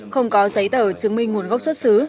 không có giấy tờ chứng minh nguồn gốc xuất xứ